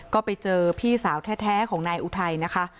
ก็ไปเจอพี่สาวแท้ของนายอุทัยนะคะ